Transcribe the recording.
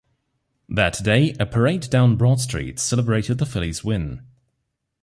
That day, a parade down Broad Street celebrated the Phillies win.